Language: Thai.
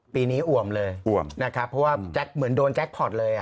ปีนี้อุ่มเลยเพราะว่าเหมือนโดนแจ็คพอร์ตเลย